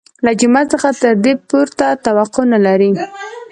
له جومات څخه تر دې پورته توقع نه لري.